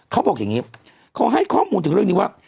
เขาบอกอย่างนี้เขาให้ข้อมูลถึงเรื่องนี้ว่า